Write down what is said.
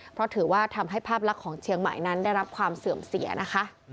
เพราะถือว่าทำให้ภาพลักษณ์ของเชียงใหม่นั้นได้รับความเสื่อมเสียนะคะ